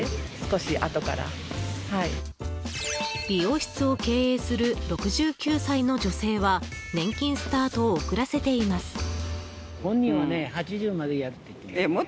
美容室を経営する６９歳の女性は年金スタートを遅らせています。